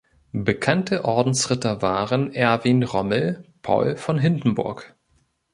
Bekannte Ordensritter waren Erwin Rommel, Paul von Hindenburg.